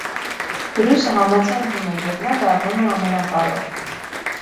Բրյուսը համաձայնվում է և նա դառնում է ամենակարող։